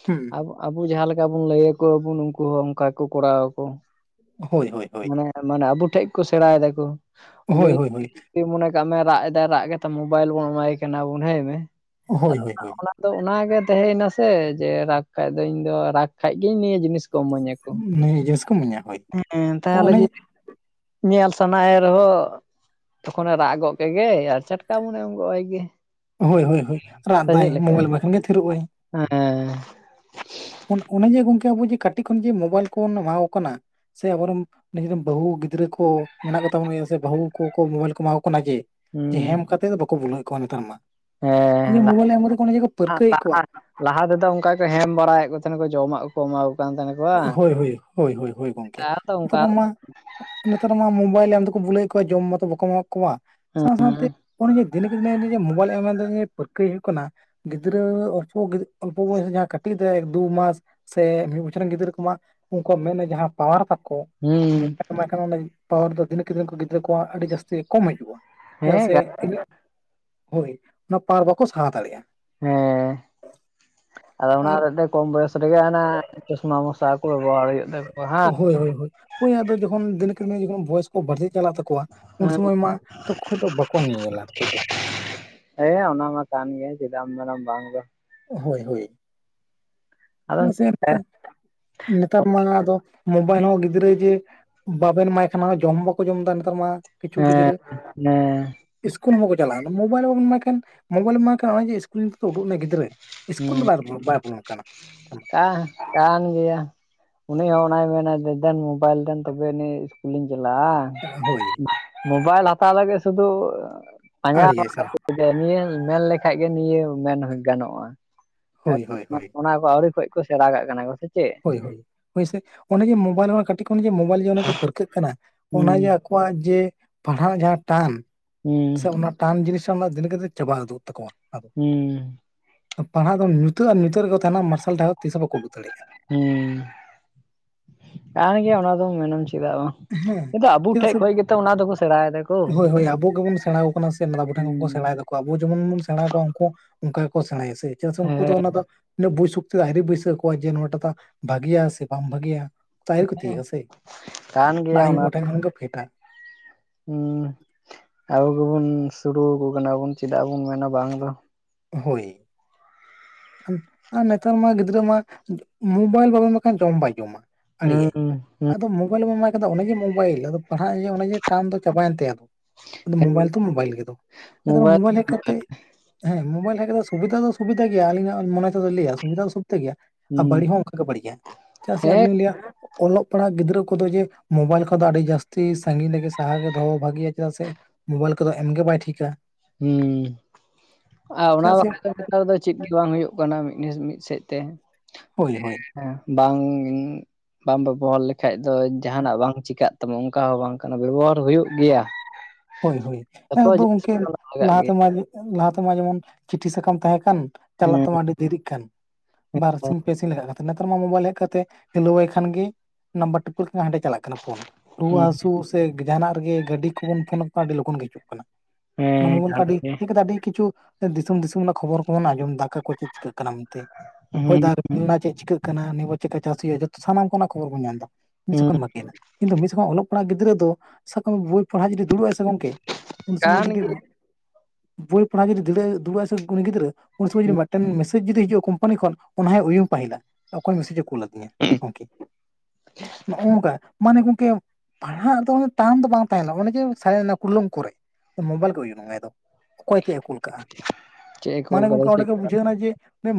ᱦᱩᱸ ᱟᱵᱚ ᱟᱵᱩ ᱡᱟᱦᱟᱸ ᱞᱮᱠᱟ ᱵᱩᱱ ᱞᱟᱹᱭ ᱟᱠᱩ ᱟᱵᱩᱱ ᱱᱩᱝᱠᱩ ᱦᱚᱸ ᱚᱝᱠᱟᱜᱮᱠᱚ ᱠᱚᱨᱟᱣ ᱟᱠᱳ᱾ ᱦᱳᱭ ᱦᱳᱭ ᱦᱳᱭ ᱢᱟᱱᱮ ᱟᱵᱚ ᱴᱷᱮᱡᱽ ᱠᱚ ᱥᱮᱬᱟᱭ ᱫᱟᱭᱠᱚ ᱦᱳᱭ ᱦᱳᱭ ᱦᱳᱭ ᱡᱩᱫᱤ ᱢᱚᱱᱮ ᱠᱟᱜ ᱢᱮ ᱨᱟᱜ ᱮᱫᱟᱭ ᱨᱟᱜ ᱠᱟᱛᱮ ᱢᱳᱵᱟᱭᱤᱞ ᱵᱚᱱ ᱮᱢᱟᱭ ᱠᱟᱱᱟ ᱵᱚᱱ ᱦᱟᱸᱭ ᱢᱮ᱾ ᱦᱳᱭ ᱦᱳᱭ ᱦᱳᱭ ᱟᱫᱚ ᱚᱱᱟᱜ ᱜᱮ ᱛᱟᱦᱮᱸᱭᱮᱱᱟ ᱥᱮ ᱡᱮ ᱨᱟᱜᱽ ᱠᱷᱟᱡ ᱫᱚ ᱤᱧ ᱫᱚ ᱨᱟᱜᱽ ᱠᱷᱟᱡ ᱜᱤᱧ ᱱᱤᱭᱟᱹ ᱡᱤᱱᱤᱥ ᱠᱚ ᱤᱢᱟᱹᱧᱟ ᱠᱚ ᱱᱤᱭᱟᱹ ᱡᱤᱱᱤᱥ ᱠᱚ ᱢᱚᱱᱮᱭᱟ ᱦᱳᱭ ᱦᱮ ᱛᱟᱦᱚᱞᱮ ᱚᱱᱮ ᱡᱩᱫᱤ ᱧᱮᱞ ᱥᱟᱱᱟᱭᱮ ᱨᱮᱦᱚᱸ ᱛᱚᱠᱷᱚᱱᱮ ᱨᱟᱜ ᱜᱚᱫᱽ ᱠᱮᱫᱜᱮ ᱟᱨ ᱪᱟᱴᱠᱟ ᱵᱚᱱᱮ ᱮᱢ ᱜᱚᱜ ᱟᱭ ᱜᱮ᱾ ᱦᱳᱭ ᱦᱳᱭ ᱦᱳᱭ ᱨᱟᱜ ᱥᱮ ᱫᱟᱭ ᱪᱮᱫ ᱞᱮᱠᱟ ᱢᱳᱵᱟᱭᱤᱞ ᱮᱢᱟᱭ ᱠᱷᱟᱱ ᱜᱮ ᱛᱷᱤᱨᱚᱜ ᱟᱭ᱾ ᱦᱮᱸ ᱚᱱ ᱚᱱᱮ ᱡᱮ ᱜᱚᱝᱠᱮ ᱟᱵᱚ ᱡᱮ ᱠᱟᱹᱴᱤᱡ ᱠᱷᱚᱱ ᱡᱮ ᱢᱳᱵᱟᱭᱤᱞ ᱠᱚᱵᱚᱱ ᱮᱢᱟᱣ ᱠᱚ ᱠᱟᱱᱟ ᱥᱮ ᱟᱵᱚᱨᱮᱱ ᱱᱤᱡᱮ ᱨᱮᱱ ᱵᱟᱹᱦᱩ ᱜᱤᱫᱽᱨᱟᱹ ᱠᱚ ᱢᱮᱱᱟᱜ ᱠᱚ ᱛᱟᱵᱚᱱᱟ ᱥᱮ ᱵᱟᱹᱦᱩ ᱠᱚᱠᱚ ᱢᱳᱵᱟᱭᱤᱞ ᱠᱚ ᱮᱢᱟ ᱟᱱᱟ ᱡᱮ ᱦᱩᱸ ᱦᱮᱢ ᱠᱟᱛᱮᱫ ᱫᱚ ᱵᱟᱠᱚ ᱵᱦᱩᱞᱟᱹᱣᱮᱫ ᱠᱚᱣᱟ ᱱᱮᱛᱟᱨ ᱢᱟ᱾ ᱦᱮᱸ [unintelligible] ᱢᱳᱵᱟᱭᱤᱞ ᱮᱢᱨᱮ ᱚᱱᱮ ᱡᱮ ᱠᱚ ᱞᱟᱦᱟ ᱯᱟᱹᱨᱠᱟᱹᱣᱮᱫ ᱠᱚᱣᱟ ᱞᱟᱦᱟ ᱛᱮᱫᱚ ᱚᱱᱠᱟ ᱜᱮ ᱠᱚ ᱦᱮᱢ ᱵᱟᱲᱟᱭᱮᱫ ᱠᱚ ᱛᱟᱦᱮᱸᱱ ᱟᱠᱚ ᱡᱚᱢᱟᱜ ᱠᱚᱠᱚ ᱮᱢᱟᱣ ᱠᱚ ᱠᱟᱱ ᱛᱟᱦᱮᱱᱟ᱾ ᱠᱚ ᱵᱟᱝ ᱦᱳᱭ-ᱦᱳᱭ, ᱦᱳᱭ-ᱦᱳᱭ-ᱦᱳᱭ ᱜᱚᱢᱠᱮ ᱱᱮᱛᱟᱨ ᱫᱚ ᱚᱱᱠᱟ ᱱᱮᱛᱟᱨ ᱢᱟ ᱱᱮᱛᱟᱨ ᱢᱟ ᱢᱳᱵᱟᱭᱤᱞ ᱮᱢ ᱛᱮᱠᱚ ᱵᱦᱩᱞᱟᱹᱭᱮᱫ ᱠᱚᱣᱟ ᱡᱚᱢ ᱢᱟᱛᱚ ᱵᱟᱠᱚ ᱮᱢᱟ ᱠᱚᱣᱟ ᱥᱟᱶ ᱥᱟᱶᱛᱮ ᱚᱱᱮ ᱡᱮ ᱫᱤᱱᱮ ᱠᱮ ᱫᱤᱱᱮ ᱢᱳᱵᱟᱭᱤᱞ ᱮᱢ ᱛᱮ ᱡᱮ ᱯᱟᱹᱨᱠᱟᱹᱭ ᱦᱩᱭᱩᱜ ᱠᱟᱱᱟ, ᱜᱤᱫᱽᱨᱟᱹ ᱚᱞᱯᱚ ᱚᱞᱯᱚ ᱵᱚᱭᱚᱥ ᱡᱟᱦᱟᱸ ᱠᱟᱹᱴᱤᱡ ᱮ ᱛᱟᱭ ᱮᱠ ᱫᱩ ᱢᱟᱥ ᱥᱮ ᱢᱤᱫ ᱵᱚᱪᱷᱚᱨ ᱨᱮᱱ ᱜᱤᱫᱽᱨᱟᱹ ᱠᱚᱢᱟ ᱩᱱᱠᱩᱣᱟᱜ ᱢᱮᱫ ᱨᱮᱱᱟᱜ ᱡᱟᱦᱟᱸ ᱯᱟᱣᱟᱨ ᱛᱟᱠᱚ ᱦᱩᱸ ᱢᱳᱵᱟᱭᱤᱞ ᱮᱢᱟᱭ ᱠᱷᱟᱱ ᱚᱱᱮ ᱯᱟᱣᱟᱨ ᱫᱚ ᱫᱤᱱᱮ ᱠᱮ ᱫᱤᱱᱮ ᱩᱱᱠᱩ ᱜᱤᱫᱽᱨᱟᱹ ᱠᱚᱣᱟᱜ ᱟᱹᱰᱤ ᱡᱟᱹᱥᱛᱤ ᱜᱮ ᱠᱚᱢ ᱦᱤᱡᱩᱜ-ᱟ ᱪᱮᱫᱟᱜ ᱦᱮᱸ ᱥᱮ ᱛᱤᱱᱟᱹᱜ ᱦᱳᱭ ᱚᱱᱟ ᱯᱟᱣᱟᱨ ᱵᱟᱠᱚ ᱥᱟᱦᱟᱣ ᱫᱟᱲᱮᱭᱟᱜ-ᱟ ᱾ ᱦᱮᱸ ᱾ [inaudible] ᱟᱫᱚ ᱚᱱᱟ ᱟᱨ ᱦᱚᱛᱮᱜ ᱛᱚ ᱠᱚᱢ ᱵᱚᱭᱚᱥ ᱨᱮᱜᱮ ᱦᱟᱱᱟ ᱪᱚᱥᱢᱟ ᱵᱚᱱ ᱥᱟᱵ ᱦᱳᱭ-ᱦᱳᱭ-ᱦᱳᱭ, ᱦᱳᱭ ᱟᱫᱚ ᱡᱚᱠᱷᱚᱱ ᱫᱤᱱᱮ ᱠᱮ ᱫᱤᱱᱮ ᱛᱮ ᱡᱚᱠᱷᱚᱱ ᱵᱚᱭᱚᱥ ᱠᱚ ᱵᱟᱹᱲᱛᱤ ᱪᱟᱞᱟᱜ ᱛᱟᱠᱚᱣᱟ ᱩᱱ ᱥᱩᱢᱚᱭ ᱢᱟ ᱛᱚᱠᱷᱚᱡᱽ ᱫᱚ ᱵᱟᱠᱚ ᱧᱮᱧᱮᱞᱟ ᱛᱚᱠᱷᱚᱡᱽ ᱫᱚ᱾ ᱦᱮᱸ ᱚᱱᱟ ᱢᱟ ᱠᱟᱱ ᱜᱮᱭᱟ ᱪᱮᱫᱟᱜ ᱮᱢ ᱢᱮᱱᱟᱢ ᱵᱟᱝ ᱫᱚ᱾ ᱦᱳᱭ-ᱦᱳᱭ ᱾ ᱟᱫᱚ [inaudible] ᱪᱮᱫᱟᱜ ᱥᱮ ᱦᱮᱸ ᱟᱨ ᱱᱮᱛᱟᱨ ᱢᱟ ᱟᱫᱚ ᱢᱳᱵᱟᱭᱤᱞ ᱦᱚᱸ ᱜᱤᱫᱽᱨᱟᱹ ᱡᱮ ᱵᱟᱵᱮᱱ ᱮᱢᱟᱭ ᱠᱷᱟᱱ ᱢᱟ ᱡᱚᱢ ᱦᱚᱸ ᱵᱟᱠᱚ ᱡᱚᱢ ᱮᱫᱟ ᱱᱮᱛᱟᱨ ᱢᱟ ᱠᱤᱪᱷᱩ ᱜᱤᱫᱽᱨᱟᱹ᱾ ᱟᱥᱚᱞᱮ ᱤᱥᱠᱩᱞ ᱦᱚᱸ ᱵᱟᱠᱚ ᱪᱟᱞᱟᱜ-ᱟ, ᱢᱳᱵᱟᱭᱤᱞ ᱵᱟᱵᱤᱱ ᱮᱢᱟᱭ ᱠᱷᱟᱱ ᱢᱚᱵᱟᱭᱤᱞ ᱮᱢᱟᱭ ᱠᱷᱟᱱ ᱱᱚᱜᱚᱭ ᱡᱮ ᱤᱥᱠᱩᱞ ᱱᱤᱛᱚ ᱩᱰᱩᱜ ᱮᱱᱟᱭ ᱜᱤᱫᱽᱨᱟᱹ ᱤᱥᱠᱩᱞ ᱫᱚ ᱵᱟ ᱵᱚᱞᱚ ᱵᱟᱭ ᱵᱩᱞᱚᱱ ᱠᱟᱱᱟ᱾ ᱠᱟ ᱠᱟᱱ ᱜᱮᱭᱟ᱾ ᱩᱱᱤ ᱦᱚᱸ ᱚᱱᱟᱭ ᱢᱮᱱᱟ ᱫᱮᱱ ᱢᱳᱵᱟᱭᱤᱞ ᱫᱮᱱ ᱛᱚᱵᱮ ᱮᱱᱟ ᱤᱥᱠᱩᱞᱤᱧ ᱪᱟᱞᱟᱜ-ᱟ᱾ ᱦᱳᱭ ᱢᱳᱵᱟᱭᱤᱞ ᱦᱟᱛᱟᱣ ᱞᱟᱹᱜᱤᱫ ᱥᱩᱫᱩ ᱯᱟᱸᱡᱟ ᱟᱲᱮᱭᱟᱭ ᱥᱟᱞᱟ ᱵᱟ ᱱᱤᱭᱟᱹ ᱢᱮᱱ ᱞᱮᱠᱷᱟᱡ ᱜᱮ ᱱᱤᱭᱟᱹ ᱢᱮᱱ ᱜᱟᱱᱚᱜ-ᱟ ᱦᱳᱭ ᱦᱳᱭ ᱾ ᱦᱳᱭ [inaudible] ᱚᱱᱟ ᱠᱚ ᱟᱹᱣᱨᱤ ᱠᱷᱚᱡ ᱠᱚ ᱥᱮᱬᱟ ᱠᱟᱜ ᱠᱟᱱᱟ ᱠᱚ ᱥᱮ ᱪᱮᱫ᱾ ᱦᱳᱭ-ᱦᱳᱭ, ᱦᱳᱭ ᱥᱮ ᱚᱱᱮ ᱡᱮ ᱢᱳᱵᱟᱭᱤᱞ ᱠᱟᱹᱴᱤᱡ ᱠᱷᱚᱱ ᱡᱮ ᱢᱳᱵᱟᱭᱤᱞ ᱡᱮ ᱚᱱᱮ ᱠᱚ ᱯᱟᱹᱨᱠᱟᱹᱜ ᱠᱟᱱᱟ ᱦᱩᱸ ᱚᱱᱟ ᱡᱮ ᱟᱠᱚᱣᱟᱜ ᱡᱮ ᱯᱟᱲᱦᱟᱜ ᱡᱟᱦᱟᱸ ᱴᱟᱱ ᱦᱩᱸ [inaudible] ᱥᱮ ᱚᱱᱟ ᱴᱟᱱ ᱡᱤᱱᱤᱥ ᱨᱮᱱᱟᱜ ᱫᱤᱱ ᱠᱮ ᱫᱤᱱ ᱪᱟᱵᱟ ᱩᱫᱩᱜ ᱛᱟᱠᱚᱣᱟ᱾ ᱟᱫᱚ ᱦᱮᱸ ᱾ ᱯᱟᱲᱦᱟᱜ ᱫᱚ ᱧᱩᱛᱟᱹᱛ ᱟᱨ ᱧᱩᱛᱟᱹᱛ ᱨᱮᱜᱮ ᱠᱚ ᱛᱟᱦᱮᱱᱟ ᱢᱟᱨᱥᱟᱞ ᱰᱟᱦᱟᱨ ᱫᱚ ᱛᱤᱥ ᱦᱚᱸ ᱵᱟᱠᱚ ᱟᱜᱩ ᱫᱟᱲᱮᱭᱟᱜ-ᱟ ᱾ ᱦᱮᱸ, [inaudible] ᱠᱟᱱ ᱜᱮᱭᱟ ᱚᱱᱟ ᱫᱚ ᱢᱮᱱᱟᱢ ᱪᱮᱫᱟᱜ ᱵᱟᱝ᱾ ᱦᱮᱸ ᱠᱤᱱᱛᱩ ᱟᱵᱚ ᱪᱮᱫᱟᱜ ᱴᱷᱮᱡ ᱠᱷᱚᱡ ᱜᱮᱛᱚ ᱚᱱᱟ ᱫᱚᱠᱚ ᱥᱮᱬᱟᱭ ᱫᱟᱠᱚ ᱥᱮ ᱦᱳᱭ-ᱦᱳᱭ ᱟᱵᱚ ᱜᱮᱵᱚᱱ ᱥᱮᱬᱟᱸᱣ ᱟᱠᱚ ᱠᱟᱱᱟ ᱥᱮ ᱢᱟᱨᱟᱝ ᱠᱚ ᱴᱷᱮᱱ ᱦᱮᱸ ᱠᱷᱚᱱ ᱠᱚ ᱥᱮᱬᱟᱭ ᱮ ᱾ ᱠᱚ ᱟᱵᱚ ᱡᱮᱢᱚᱱ ᱵᱚᱱ ᱥᱮᱬᱟ ᱦᱟᱠᱚᱣᱟ ᱩᱱᱠᱩ ᱦᱚᱸ ᱚᱱᱠᱟ ᱜᱮᱠᱚ ᱥᱮᱬᱟᱭᱟ ᱥᱮ ᱪᱮᱫᱟᱜ ᱥᱮ ᱩᱱᱠᱩ ᱫᱚ ᱚᱱᱟ ᱫᱚ ᱩᱱᱟᱹᱜ ᱵᱩᱡ ᱥᱚᱠᱛᱮ ᱫᱚ ᱟᱹᱣᱨᱤ ᱵᱟᱹᱭᱥᱟᱹᱣ ᱟᱠᱚᱣᱟ ᱡᱮ ᱱᱚᱣᱟᱴᱟᱜ ᱫᱚ ᱵᱷᱟᱹᱜᱮᱭᱟ ᱥᱮ ᱵᱟᱝ ᱵᱷᱟᱹᱜᱤᱭᱟ ᱛᱚ ᱟᱹᱭᱨᱤ ᱠᱚ ᱛᱤᱭᱟᱹᱜᱟ ᱥᱮ᱾ ᱠᱟᱱ ᱚᱱᱟ ᱜᱮᱭᱟ ᱟᱭᱩ ᱠᱚᱴᱷᱮᱱ ᱠᱷᱚᱱ ᱜᱮ ᱯᱷᱮᱰᱟ ᱾ ᱦᱮᱸ [inaudible] ᱟᱵᱚ ᱜᱮᱵᱚᱱ ᱥᱩᱲᱩ ᱟᱠᱚ ᱠᱟᱱᱟ ᱵᱚᱱ ᱪᱮᱫᱟᱜ ᱵᱚᱱ ᱢᱮᱱᱟ ᱵᱟᱝ ᱫᱚ᱾ ᱦᱳᱭ ᱾ ᱟᱨ ᱱᱮᱛᱟᱨ ᱢᱟ ᱜᱤᱫᱽᱨᱟᱹ ᱢᱟ ᱢᱳᱵᱟᱭᱤᱞ ᱵᱟᱵᱚᱱ ᱮᱢᱟᱭ ᱠᱷᱟᱱ ᱡᱚᱢ ᱦᱚ ᱵᱟᱭ ᱡᱚᱢᱟ ᱾ ᱟᱲᱤᱭᱟᱭ ᱦᱩᱸ ᱟᱫᱚ ᱢᱳᱵᱟᱭᱤᱞ ᱵᱟᱢ ᱮᱢᱟᱭ ᱠᱷᱟᱡ ᱫᱚ ᱚᱱᱮ ᱡᱮ ᱢᱳᱵᱟᱭᱤᱞ ᱟᱫᱚ ᱯᱟᱲᱦᱟᱜ ᱨᱮᱭᱟᱜ ᱚᱱᱮ ᱡᱮ ᱴᱟᱱ ᱫᱚ ᱪᱟᱵᱟᱭᱮᱱ ᱛᱟᱭᱟ ᱾ ᱟᱫᱚ ᱢᱳᱵᱟᱭᱤᱞ ᱛᱚ ᱢᱳᱵᱟᱭᱤᱞ ᱜᱮᱫᱚ ᱟᱨ ᱢᱳᱵᱟᱭᱤᱞ ᱦᱮᱡ ᱠᱟᱛᱮ ᱦᱮᱸ ᱢᱳᱵᱟᱭᱤᱞ ᱦᱮᱡᱽ ᱠᱟᱛᱮᱜ ᱫᱚ ᱥᱩᱵᱤᱫᱟ ᱫᱚ ᱥᱩᱵᱤᱫᱟ ᱜᱮᱭᱟ ᱟᱞᱤᱧᱟᱜ ᱢᱚᱱᱮ ᱛᱚ ᱞᱟᱹᱭᱟ ᱥᱩᱵᱤᱫᱟ ᱫᱚ ᱥᱩᱵᱤᱫᱟ ᱜᱮᱭᱟ ᱾ ᱟᱨ ᱦᱩᱸ ᱵᱟᱹᱲᱤᱡ ᱦᱚᱸ ᱚᱱᱠᱟ ᱜᱮ ᱵᱟᱹᱲᱤᱡᱟ ᱪᱮᱫᱟᱜ ᱥᱮ ᱟᱫᱚ ᱦᱮᱸ ᱟᱹᱞᱤᱧ ᱞᱟᱹᱭᱟ ᱚᱞᱚᱜ ᱯᱟᱲᱦᱟᱜ ᱜᱤᱫᱽᱨᱟᱹ ᱠᱚᱫᱚ ᱡᱮ ᱢᱳᱵᱟᱭᱤᱞ ᱠᱷᱚᱱ ᱫᱚ ᱟᱹᱰᱤ ᱡᱟᱹᱥᱛᱤ ᱥᱟᱸᱜᱤᱧ ᱨᱮᱜᱮ ᱥᱟᱦᱟ ᱜᱮ ᱫᱚᱦᱚ ᱵᱷᱟᱜᱮᱭᱟ ᱪᱮᱫᱟᱜ ᱥᱮ ᱢᱳᱵᱟᱭᱤᱞ ᱠᱚᱫᱚ ᱮᱢᱜᱮ ᱵᱟᱭ ᱴᱷᱤᱠᱟ ᱾ ᱦᱮᱸ [inaudible] ᱟᱨ ᱪᱮᱫᱟᱜ ᱚᱱᱟ ᱥᱮ ᱵᱟᱠᱷᱨᱟ ᱱᱮᱛᱟᱨ ᱫᱚ ᱪᱮᱫ ᱜᱮ ᱵᱟᱝ ᱦᱩᱭᱩᱜ ᱠᱟᱱᱟ ᱢᱤᱫ ᱱᱮᱥ ᱢᱤᱫ ᱥᱮᱫ ᱛᱮ᱾ ᱦᱳᱭ ᱦᱳᱭ᱾ ᱦᱮᱸ ᱵᱟᱝ ᱵᱟᱢ ᱵᱮᱵᱚᱦᱟᱨ ᱞᱮᱠᱷᱟᱡᱽ ᱫᱚ ᱡᱟᱦᱟᱱᱟᱜ ᱵᱟᱝ ᱪᱮᱠᱟᱹᱜ ᱛᱟᱢᱟ ᱚᱱᱠᱟ ᱦᱚᱸ ᱵᱟᱝ ᱠᱟᱱᱟ ᱵᱮᱵᱚᱦᱟᱨ ᱦᱩᱭᱩᱜ ᱜᱮᱭᱟ᱾ ᱦᱳᱭ ᱦᱳᱭ, ᱟᱫᱚ ᱡᱚᱛᱚ ᱡᱤᱱᱤᱥ ᱜᱚᱝᱠᱮ ᱜᱮ ᱚᱱᱟ ᱞᱟᱜᱟᱜ ᱜᱮᱭᱟ ᱞᱟᱦᱟᱛᱮᱢᱟ ᱞᱟᱦᱟᱛᱮᱢᱟ ᱡᱮᱢᱚᱱ ᱪᱤᱴᱷᱤ ᱥᱟᱠᱟᱢ ᱛᱟᱦᱮᱸ ᱠᱟᱱ᱾ ᱪᱟᱞᱟᱜ ᱦᱮᱸ ᱛᱟᱢᱟ ᱟᱹᱰᱤ ᱫᱮᱨᱤᱜ ᱠᱟᱱ᱾ ᱵᱟᱨ ᱥᱤᱧ ᱯᱮ ᱥᱤᱧ ᱞᱟᱜᱟᱜ ᱠᱟᱱ ᱛᱟᱦᱮᱜ ᱱᱮᱛᱟᱨ ᱢᱟ ᱢᱳᱵᱟᱭᱤᱞ ᱦᱮᱡ ᱠᱟᱛᱮ ᱦᱮᱞᱳᱣᱟᱭ ᱠᱷᱟᱱ ᱜᱮ, ᱱᱟᱢᱵᱟᱨ ᱴᱤᱯᱟᱹᱣ ᱞᱮᱠᱷᱟᱱ ᱜᱮ ᱦᱟᱸᱰᱮ ᱪᱟᱞᱟᱜ ᱠᱟᱱᱟ ᱯᱷᱳᱱ᱾ ᱨᱩᱣᱟᱹ ᱦᱮᱸ ᱦᱟᱹᱥᱩ ᱥᱮ ᱡᱟᱦᱟᱱᱟᱜ ᱨᱮᱜᱮ ᱜᱟᱹᱰᱤ ᱠᱚᱵᱚᱱ ᱯᱷᱳᱱ ᱟᱠᱚ ᱠᱷᱟᱱ ᱟᱹᱰᱤ ᱞᱚᱜᱚᱱ ᱜᱮ ᱦᱤᱡᱩᱜ ᱠᱟᱱᱟ᱾ ᱚᱱᱟ ᱦᱮᱸ ᱢᱳᱵᱟᱭᱤᱞ ᱠᱚ ᱠᱟᱱ ᱟᱹᱰᱤ ᱜᱮᱭᱟ ᱦᱮᱡ ᱠᱟᱛᱮ ᱟᱹᱰᱤ ᱠᱤᱪᱷᱩ ᱫᱤᱥᱚᱢ ᱫᱤᱥᱚᱢ ᱚᱱᱟ ᱠᱷᱚᱵᱚᱨ ᱠᱚᱵᱚᱱ ᱟᱸᱡᱚᱢ ᱮᱫᱟ ᱟᱠᱟ ᱠᱚ ᱪᱮᱫ ᱪᱤᱠᱟᱹᱜ ᱠᱟᱱᱟ ᱢᱮᱱᱛᱮ ᱦᱚᱭ ᱦᱮᱸ ᱫᱟᱜ ᱦᱮᱸ [inaudible] ᱪᱮᱫ ᱪᱤᱠᱟᱹᱜ ᱠᱟᱱᱟ ᱱᱤᱭᱟᱹ ᱵᱟᱨ ᱪᱮᱫᱠᱟ ᱪᱟᱥ ᱦᱩᱭᱩᱜᱼᱟ ᱡᱚᱛᱚ ᱥᱟᱱᱟᱢ ᱠᱚ ᱚᱱᱟ ᱠᱷᱚᱵᱚᱨ ᱵᱚᱱ ᱧᱟᱢ ᱮᱫᱟ ᱦᱮᱸ [inaudible] [inaudible] ᱠᱤᱱᱛᱩ ᱢᱤᱫ ᱥᱮ ᱠᱷᱚᱱ ᱚᱞᱚᱜ ᱯᱟᱲᱦᱟᱜ ᱜᱤᱫᱽᱨᱟᱹ ᱫᱚ ᱥᱟᱵ ᱠᱟᱜ ᱢᱮ ᱵᱳᱭ ᱯᱟᱲᱦᱟᱜ ᱡᱩᱫᱤ ᱫᱩᱲᱩᱵ ᱟᱭ ᱜᱚᱝᱠᱮ ᱩᱱ ᱥᱚᱢᱚᱭ ᱠᱟᱱ ᱡᱩᱫᱤ ᱜᱮᱭᱟ ᱵᱳᱭ ᱯᱟᱲᱦᱟᱣ ᱫᱤᱲᱟᱹ ᱫᱩᱲᱩᱵ ᱟᱭ ᱥᱮ ᱩᱱᱤ ᱜᱤᱫᱽᱨᱟᱹ ᱩᱱ ᱥᱚᱢᱚᱭ ᱡᱩᱤ ᱢᱤᱫᱴᱮᱱ ᱢᱮᱥᱮᱡᱽ ᱡᱩᱫᱤ ᱦᱤᱡᱩᱜᱼᱟ ᱠᱳᱢᱯᱟᱱᱤ ᱠᱷᱚᱱ ᱚᱱᱟ ᱦᱚᱸᱭ ᱩᱭᱩᱝ ᱯᱟᱹᱦᱤᱞᱟ ᱚᱠᱚᱭ ᱢᱮᱥᱮᱡᱽ ᱮ ᱠᱩᱞᱟ ᱫᱤᱧᱟ ᱜᱚᱝᱠᱮ ᱱᱚᱜᱼᱚᱝᱠᱟ ᱢᱟᱱᱮ ᱜᱚᱝᱠᱮ ᱯᱟᱲᱦᱟᱜ ᱫᱚ ᱴᱟᱱ ᱫᱚ ᱵᱟᱝ ᱛᱟᱦᱮᱸᱱᱟ ᱚᱱᱮ ᱡᱮ [inaudible] ᱠᱚᱨᱮ ᱢᱳᱵᱟᱭᱤᱞ ᱜᱮ ᱭᱩᱭᱩᱝ ᱟᱭ ᱟᱫᱚ᱾ ᱚᱠᱚᱭ ᱪᱮᱫ ᱮ ᱠᱩᱞ ᱠᱟᱜᱼᱟ ᱪᱮᱫ ᱮ ᱠᱳᱞ ᱢᱟᱱᱮ ᱠᱟᱫᱟ ᱜᱚᱝᱠᱮ ᱚᱸᱰᱮ ᱪᱮᱫ ᱜᱮ ᱵᱩᱡᱽ ᱡᱷᱟᱹᱣ ᱱᱟ ᱡᱮ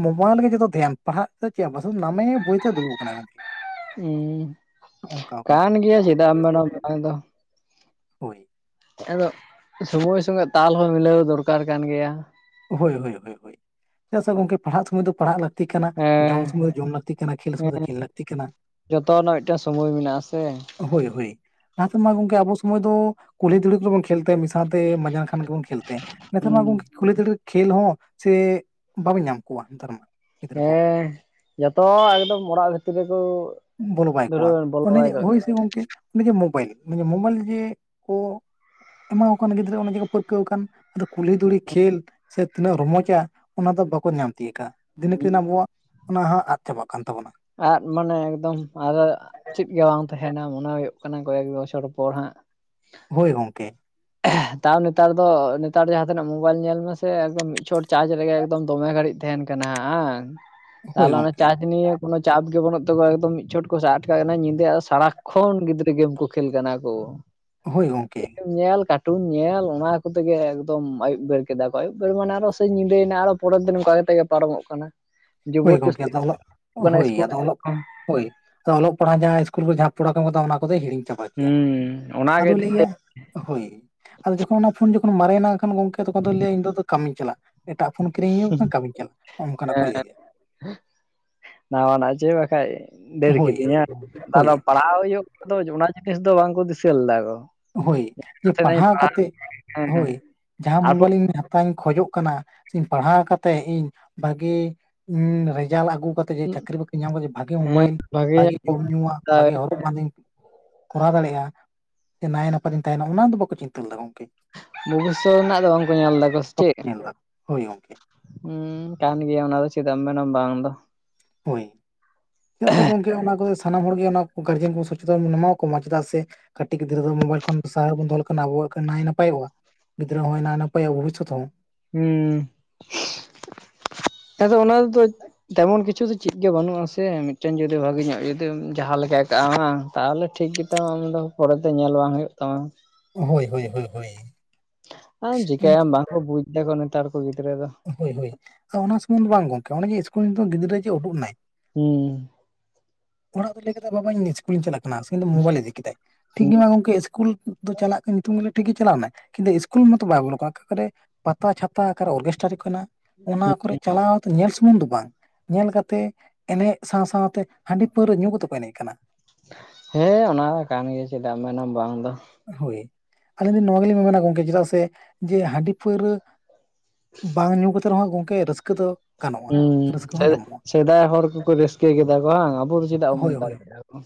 ᱢᱳᱵᱟᱭᱤᱞ ᱜᱮ ᱡᱚᱛᱚ ᱫᱷᱮᱭᱟᱱ ᱯᱟᱲᱦᱟᱜ ᱪᱮᱫ ᱦᱚᱸ ᱵᱟᱝ ᱥᱩᱫᱩ ᱱᱟᱢᱮ ᱵᱳᱭ ᱟᱛᱮᱜ ᱫᱩᱲᱩᱵ ᱟᱠᱟᱱᱟᱭ ᱜᱚᱝᱠᱮ᱾ ᱩᱸ ᱠᱟᱱᱟ ᱜᱮᱭᱟ ᱪᱮᱫᱟᱜ ᱮᱢ ᱢᱮᱱᱟ ᱵᱟᱝ ᱫᱚ᱾ ᱦᱳᱭ᱾ ᱟᱫᱚ ᱥᱚᱢᱚᱭ ᱥᱚᱸᱜᱮ ᱛᱟᱞ ᱦᱚᱸ ᱢᱤᱞᱟᱹᱣ ᱫᱚᱨᱠᱟᱨ ᱠᱟᱱ ᱜᱮᱭᱟ᱾ ᱦᱳᱭ ᱦᱳᱭ ᱦᱳᱭ ᱦᱳᱭ ᱪᱮᱫᱟᱜ ᱥᱮ ᱜᱚᱝᱠᱮ ᱯᱟᱲᱦᱟᱜ ᱥᱚᱢᱚᱭ ᱫᱚ ᱯᱟᱲᱦᱟᱜ ᱞᱟ ᱛᱤ ᱠᱟᱱᱟ ᱦᱮᱸ ᱡᱚᱢ ᱥᱚᱢᱚᱭ ᱫᱚ ᱡᱚᱢ ᱞᱟᱹᱠᱛᱤ ᱠᱟᱱᱟ ᱠᱷᱮᱞ ᱥᱚᱢᱚᱭ ᱦᱮᱸ ᱫᱚ ᱠᱷᱮᱞ ᱞᱟᱹᱠᱛᱤ ᱠᱟᱱᱟ᱾ ᱡᱚᱛᱚ ᱨᱮᱱᱟᱜ ᱢᱤᱫᱴᱮᱱ ᱥᱚᱢᱚᱭ ᱢᱮᱱᱟᱜᱼᱟ ᱥᱮ᱾ ᱦᱳᱭ ᱦᱳᱭ ᱞᱟᱦᱟ ᱛᱮᱢᱟ ᱜᱚᱝᱠᱮ ᱟᱵᱚ ᱥᱚᱢᱚᱭ ᱫᱚ ᱠᱩᱞᱦᱤ ᱫᱷᱩᱲᱤ ᱠᱚᱨᱮᱵᱚᱱ ᱠᱷᱮᱞ [inaudible] ᱥᱟᱶᱛᱮ ᱢᱟᱡᱟᱱ ᱠᱷᱟᱱ ᱜᱮ ᱵᱚᱱ ᱠᱷᱮᱞ ᱛᱟᱦᱮᱸ ᱱᱮᱛᱟᱨ ᱢᱟ ᱦᱮᱸ ᱜᱚᱝᱠᱮ ᱠᱩᱞᱦᱤ ᱫᱷᱩᱲᱤ ᱠᱷᱮᱞ ᱦᱚᱸ ᱥᱮ ᱵᱟᱵᱮᱱ ᱧᱟᱢ ᱠᱚᱣᱟ ᱱᱮᱛᱟᱨ ᱢᱟ᱾ ᱜᱤᱫᱽᱨᱟᱹ ᱠᱚ ᱦᱮᱸ ᱡᱚᱛᱚ ᱮᱠᱫᱚᱢ ᱚᱲᱟᱜ ᱵᱷᱤᱛᱤᱨ ᱨᱮᱠᱚ ᱵᱚᱞᱚ ᱵᱟᱭ ᱠᱚᱜ-ᱟ ᱫᱷᱩᱨᱟᱹᱣ ᱵᱚᱞᱚ ᱚᱱᱮ ᱵᱟᱭ ᱡᱮ ᱠᱟᱜ ᱦᱳᱭ ᱥᱮ ᱜᱚᱝᱠᱮ᱾ ᱚᱱᱮ ᱡᱮ ᱢᱳᱵᱟᱭᱤᱞ ᱢᱳᱵᱟᱭᱤᱞ ᱡᱮ ᱠᱚ ᱮᱢᱟ ᱠᱚ ᱠᱟᱱᱟ ᱜᱤᱫᱽᱨᱟᱹ ᱚᱱᱮ ᱡᱮ ᱠᱚ ᱯᱟᱹᱨᱠᱟᱹᱣ ᱟᱠᱟᱱ ᱟᱫᱚ ᱠᱩᱞᱦᱤ ᱫᱷᱩᱲᱤ ᱠᱷᱮᱞ ᱥᱮ ᱛᱤᱱᱟᱹᱜ ᱨᱚᱢᱚᱡᱟ ᱚᱱᱟ ᱫᱚ ᱵᱟᱠᱚ ᱧᱟᱢ ᱛᱤᱭᱟᱹᱜ ᱟᱠᱟᱜᱼᱟ᱾ ᱫᱤᱱ ᱠᱮᱱ ᱟᱵᱚᱣᱟᱜ ᱚᱱᱟ ᱦᱚᱸ ᱟᱫ ᱪᱟᱵᱟᱜ ᱠᱟᱱ ᱛᱟᱵᱚᱱᱟ᱾ ᱟᱫ ᱢᱟᱱᱮ ᱮᱠᱫᱚᱢ ᱟᱫᱚ ᱪᱮᱫ ᱜᱮ ᱵᱟᱝ ᱛᱟᱦᱮᱱᱟ ᱢᱚᱱᱮ ᱦᱩᱭᱩᱜ ᱠᱟᱱᱟ ᱠᱚᱭᱮᱠ ᱵᱚᱪᱷᱚᱨ ᱯᱚᱨ ᱦᱟᱸᱜ ᱦᱳᱭ ᱜᱚᱝᱠᱮ᱾ ᱛᱟᱣ ᱱᱮᱛᱟᱨ ᱫᱚ ᱱᱮᱛᱟᱨ ᱡᱟᱦᱟᱸ ᱛᱤᱱᱟᱹᱜ ᱢᱳᱵᱟᱭᱤᱞ ᱧᱮᱞ ᱢᱮᱥᱮ ᱮᱠᱫᱚᱢ ᱢᱤᱫ ᱪᱷᱚᱴ ᱪᱟᱨᱡᱽ ᱨᱮᱜᱮ ᱮᱠᱫᱚᱢ ᱫᱚᱢᱮ ᱜᱷᱟᱹᱲᱤᱡ ᱛᱟᱦᱮᱱ ᱠᱟᱱᱟ ᱟᱝ ᱦᱳᱭ ᱛᱟᱦᱚᱞᱮ ᱚᱱᱟ ᱜᱚᱝᱠᱮ ᱪᱟᱨᱡᱽ ᱱᱤᱭᱟᱹ ᱠᱳ ᱪᱟᱯ ᱜᱮ ᱵᱟᱹᱱᱩᱜ ᱛᱟᱠᱚᱣᱟ ᱮᱠᱫᱚᱢ ᱢᱤᱫ ᱪᱷᱚᱴ ᱠᱚ ᱥᱟᱴ ᱠᱟᱜ ᱠᱟᱱᱟ ᱧᱤᱫᱟᱹ ᱟᱫᱚ ᱥᱟᱲᱟ ᱠᱷᱚᱱ ᱜᱤᱫᱽᱨᱟᱹ ᱜᱮᱢ ᱠᱚ ᱠᱷᱮᱞ ᱠᱟᱱᱟ ᱠᱚ᱾ ᱦᱳᱭ ᱜᱚᱝᱠᱮ ᱧᱮᱞ ᱠᱟᱴᱩᱱ ᱧᱮᱞ ᱚᱱᱟ ᱠᱚᱛᱮᱜᱮ ᱮᱠᱫᱚᱢ ᱟᱹᱭᱩᱵ ᱵᱮᱲ ᱠᱮᱫᱟ ᱠᱚ ᱟᱹᱩᱵ ᱵᱮᱲ ᱢᱟᱱᱮ ᱟᱨᱚ ᱥᱮ ᱧᱤᱫᱟᱹᱭᱮᱱᱟ ᱟᱨᱚ ᱯᱚᱨᱮᱨ ᱫᱤᱱ ᱚᱱᱠᱟ ᱠᱟ ᱠᱟᱛᱮ ᱜᱮ ᱯᱟᱨᱚᱢᱚᱜ ᱠᱟᱱᱟ ᱦᱳᱭ ᱜᱚᱝᱠᱮ ᱟᱫᱚ ᱚᱞᱚᱜ ᱦᱳᱭ ᱟᱫᱚ ᱚᱞᱚᱜ [inaudible] ᱦᱳᱭ ᱟᱫᱚ ᱚᱞᱚᱜ ᱯᱟᱲᱦᱟᱜ ᱡᱟᱦᱟᱸ ᱤᱥᱠᱩᱞ ᱠᱚᱨᱮ ᱡᱟᱦᱟᱸ ᱯᱚᱲᱟ ᱠᱚ ᱠᱟᱫᱟ ᱚᱱᱟ ᱠᱚᱫᱚᱭ ᱦᱤᱲᱤᱧ ᱪᱟᱵᱟ ᱠᱮᱜ-ᱟ ᱦᱩᱸ ᱚᱱᱟᱜᱮ ᱟᱫᱚ ᱞᱟᱹᱭᱟ ᱦᱳᱭ, ᱟᱫᱚ ᱡᱚᱠᱷᱚᱱ ᱚᱱᱟ ᱯᱷᱳᱱ ᱡᱚᱠᱷᱚᱱ ᱢᱟᱨᱮᱭᱮᱲᱟ ᱦᱟᱠᱷᱟᱱ ᱜᱚᱝᱠᱮ ᱛᱚᱠᱷᱚᱱ ᱫᱚ ᱞᱟᱹᱭᱟ ᱤᱧ ᱫᱚ ᱟᱫᱚ ᱠᱟᱹᱢᱤᱧ ᱪᱟᱞᱟᱜ᱾ ᱮᱴᱟᱜ ᱯᱷᱳᱱ ᱠᱤᱨᱤᱧ ᱦᱩᱭᱩᱜ [inaudible] ᱠᱟᱹᱢᱤ ᱠᱟᱱᱟ ᱚᱱᱠᱟᱱᱟᱜ ᱠᱚ ᱞᱟᱭᱟᱼᱼ ᱱᱟᱣᱟᱱᱟᱜ ᱪᱚᱭ ᱵᱟᱠᱷᱟᱡ ᱰᱮᱨ ᱦᱳᱭ ᱠᱤᱫᱤᱧᱟ ᱦᱳᱭ ᱛᱟᱦᱚᱞᱮ ᱯᱟᱲᱦᱟᱣ ᱦᱩᱭᱩᱜᱼᱼ ᱟᱫᱚ ᱚᱱᱟ ᱡᱤᱱᱤᱥ ᱫᱚ ᱵᱟᱝ ᱠᱚ ᱫᱤᱥᱟᱹ ᱞᱮᱫᱟ ᱠᱚᱼᱼ ᱦᱳᱭ ᱡᱮ ᱯᱟᱲᱦᱟᱣ ᱠᱟᱛᱮᱜ ᱦᱮᱸ ᱦᱳᱭ ᱡᱟᱦᱟᱸ ᱛᱟᱨᱯᱚᱨ ᱢᱳᱵᱟᱭᱤᱞᱤᱧ ᱤᱧ ᱼᱼ ᱠᱷᱚᱡᱚᱜ ᱠᱟᱱᱟᱧ ᱯᱟᱲᱦᱟᱣ ᱠᱟᱛᱮᱜ ᱤᱧ ᱵᱷᱟᱜᱤ ᱨᱮᱡᱟᱞ ᱟᱹᱜᱩ ᱠᱟᱛᱮᱼᱼ ᱮ ᱪᱟᱹᱠᱨᱤ ᱵᱟᱹᱠᱨᱤ ᱧᱟᱢ ᱠᱟᱫᱟ ᱵᱷᱟᱜᱤ ᱢᱳᱵᱟᱭᱤᱞ ᱵᱷᱟᱜᱮ ᱡᱚᱢᱧᱣᱟᱜ ᱵᱷᱟᱜᱮ ᱦᱚᱨᱚ ᱵᱟᱫᱮᱧᱼᱼ ᱠᱚᱨᱟᱣ ᱫᱟᱲᱮᱭᱟᱜᱼᱟ᱾ ᱡᱮ ᱱᱟᱭ ᱱᱟᱯᱟᱭ ᱛᱤᱧ ᱛᱟᱦᱮᱱᱟ ᱚᱱᱟ ᱫᱚ ᱵᱟᱠᱚ ᱪᱤᱱᱛᱟᱹ ᱞᱮᱫᱟ ᱜᱚᱝᱠᱮ᱾ ᱵᱷᱚᱵᱤᱥᱥᱚᱛ ᱨᱮᱱᱟᱜ ᱫᱚ ᱵᱟᱝᱠᱚ ᱧᱮᱞ ᱫᱫᱟ ᱠᱚ ᱥᱮ ᱵᱟᱠᱚ ᱪᱮᱫ? ᱧᱮᱞ ᱫᱟ ᱦᱳᱭ ᱜᱚᱝᱠᱮ ᱦᱩᱸ ᱠᱟᱱ ᱜᱮᱭᱟ ᱚᱱᱟ ᱫᱚ ᱪᱮᱫᱟᱜ ᱢᱮᱱᱟ ᱵᱟᱝ ᱫᱚ᱾ ᱦᱳᱭ᱾ ᱪᱮᱫᱟᱜ ᱥᱮ ᱜᱚᱝᱠᱮ ᱚᱱᱟ ᱠᱚᱫᱚ ᱥᱟᱱᱟᱢ ᱦᱚᱲᱜ ᱜᱮ ᱚᱱᱟ ᱜᱟᱨᱡᱮᱱ ᱠᱚ ᱥᱚᱪᱮᱛᱚᱱ ᱵᱚᱱ ᱮᱢᱟ ᱠᱚᱢᱟ ᱪᱮᱫᱟᱜ ᱥᱮᱼᱼ ᱠᱟᱹᱴᱤᱡ ᱜᱤᱫᱽᱨᱟᱹ ᱫᱚ ᱢᱳᱵᱟᱭᱤᱞ ᱠᱷᱚᱱ ᱥᱟᱦᱟ ᱨᱮ ᱵᱚᱱ ᱫᱚᱦᱚ ᱞᱮᱠᱷᱟᱱ ᱟᱵᱚᱣᱟᱜ ᱜᱮ ᱱᱟᱭ ᱱᱟᱯᱟᱭᱚᱜᱼᱟ᱾ ᱜᱤᱫᱽᱨᱟᱹ ᱦᱚᱸ ᱦᱩᱭ ᱱᱟ ᱱᱟᱯᱟᱭ ᱵᱷᱚᱵᱤᱥᱥᱚᱛ ᱦᱚᱸᱼᱼ ᱦᱩᱸ ᱟᱫᱚ ᱚᱱᱟᱫᱚᱼᱼ ᱛᱮᱢᱚᱱ ᱠᱤᱪᱷᱩ ᱫᱚ ᱪᱮᱫ ᱜᱮ ᱵᱟᱹᱱᱩᱜ ᱟᱥᱮ ᱢᱤᱫᱴᱮᱱ ᱡᱩᱫᱤ ᱵᱷᱟᱜᱤ ᱧᱚᱜ ᱡᱩᱫᱤᱢ ᱡᱟᱦᱟᱸ ᱞᱮᱠᱟᱭ ᱠᱟᱜᱼᱟ ᱵᱟᱝ ᱛᱟᱦᱚᱞᱮ ᱴᱷᱤᱠ ᱜᱮ᱾ ᱛᱟᱣ ᱟᱢᱫᱚ ᱠᱷᱨᱚᱪ ᱫᱚ ᱧᱮᱞ ᱵᱟᱝ ᱦᱩᱭᱩᱜ ᱛᱟᱢᱟ᱾ ᱦᱳᱭ ᱦᱳᱭ ᱦᱳᱭ ᱦᱳᱭ᱾ ᱟᱨ ᱪᱤᱠᱟᱭᱟᱢ ᱵᱟᱝᱠᱚ ᱵᱩᱡ ᱫᱫᱟᱠᱚ ᱱᱮᱛᱟᱨ ᱠᱚ ᱜᱤᱫᱽᱨᱟᱹ ᱫᱚᱼᱼ ᱦᱳᱭ ᱦᱳᱭ ᱚᱱᱟ ᱥᱩᱢᱚᱱᱫᱷ ᱵᱟᱝ ᱜᱚᱝᱠᱮ ᱚᱱᱮ ᱡᱮ ᱤᱥᱠᱩᱞ ᱨᱮᱫᱚ ᱜᱤᱫᱽᱨᱟᱹ ᱡᱮ ᱩᱰᱩᱠ ᱱᱟᱭᱼᱼ ᱦᱩᱸ᱾ ᱚᱲᱟᱜ ᱫᱚ ᱞᱟᱹᱭ ᱠᱮᱫᱟ ᱵᱟᱵᱟ ᱤᱧ ᱤᱥᱠᱩᱞᱤᱧ ᱪᱟᱞᱟᱜ ᱠᱟᱱᱟ ᱠᱛᱩ ᱢᱳᱵᱟᱭᱤᱞ ᱤᱫᱤ ᱠᱮᱫᱟᱭ ᱴᱷᱤᱠ ᱦᱩᱸ ᱜᱮ ᱢᱟ ᱜᱚᱝᱠᱮ ᱤᱥᱠᱩᱞ᱾ ᱪᱟᱞᱟᱜ ᱠᱟᱱᱟ ᱜᱮᱞ ᱴᱷᱤᱠᱮ ᱪᱞᱟᱣᱱᱟ ᱠᱤᱱᱛᱩ ᱤᱥᱠᱩᱞ ᱢᱚᱛᱚ ᱵᱚᱞᱚᱜᱼᱟ ᱚᱠᱟ ᱠᱚᱨᱮᱼᱼ ᱯᱟᱛᱟ ᱪᱷᱟᱛᱟ ᱚᱠᱟᱨᱮ ᱚᱨᱠᱮᱥᱴᱟᱨ ᱦᱩᱭᱩᱜ ᱠᱟᱱᱟ ᱚᱱᱟ ᱠᱚᱨᱮᱼᱼ ᱪᱟᱞᱟᱣ ᱠᱟᱛᱮ ᱧᱮᱞ ᱥᱩᱢᱩᱝ ᱫᱚ ᱵᱟᱝ ᱧᱮᱞ ᱠᱟᱛᱮ ᱮᱱᱮᱡ ᱥᱟᱶ ᱥᱟᱶᱛᱮᱼᱼ ᱦᱟᱺᱰᱤ ᱯᱟᱹᱣᱨᱟᱹ ᱧᱩ ᱠᱟᱛᱮᱫ ᱠᱚ ᱮᱱᱮᱡ ᱠᱟᱱᱟ᱾ ᱦᱮᱸ ᱚᱱᱟ ᱠᱟᱱ ᱜᱮᱭᱟ ᱪᱮᱫᱟᱜ ᱮᱢ ᱢᱮᱱᱟ ᱵᱟᱝ ᱫᱚ᱾ ᱦᱳᱭ ᱟᱹᱞᱤᱧ ᱫᱚ ᱱᱚᱣᱟ ᱜᱮᱞᱤᱧ ᱢᱮ ᱢᱮᱱᱟ ᱜᱚᱝᱠᱮ ᱪᱮᱫᱟᱜ ᱥᱮ ᱡᱮ ᱦᱟᱺᱰᱤ ᱯᱟᱹᱣᱨᱟᱹᱼᱼ ᱵᱟᱝ ᱧᱩ ᱠᱟᱛᱮ ᱨᱮᱦᱚᱸ ᱜᱚᱝᱠᱮ ᱨᱟᱹᱥᱠᱟᱹ ᱫᱚ ᱜᱟᱱᱚᱜᱼᱟ ᱦᱩᱸ ᱨᱟᱹᱥᱠᱟᱹ ᱦᱚᱸ ᱧᱟᱢᱚᱜᱼᱟ᱾ ᱥᱮᱫᱟᱭ ᱦᱚᱲ ᱠᱚᱠᱚ ᱨᱟᱹᱥᱠᱟᱹ ᱠᱮᱫᱟ ᱠᱚ ᱦᱟᱝ ᱟᱵᱚᱼᱼ ᱪᱮᱫᱟᱜ ᱦᱳᱭ ᱵᱟᱵᱚᱱ ᱦᱳᱭ ᱫᱟᱲᱮᱭᱟᱜᱼᱟ ᱠᱚ